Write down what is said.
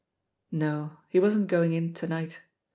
'* No, he wasn't going in to night.